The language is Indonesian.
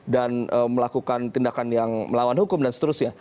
dan melakukan tindakan yang melawan hukum dan seterusnya